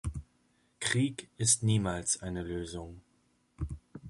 Krieg ist niemals eine Lösung.